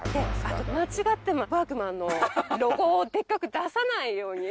あと間違っても「ワークマン」のロゴをでっかく出さないように。